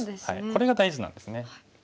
これが大事なんですね。